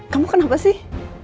kamu kenapa sih